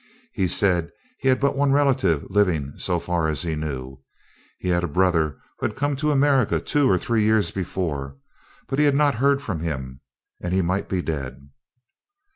He said he had but one relative living so far as he knew. He had a brother who had come to America two or three years before; but he had not heard from him, and he might be dead.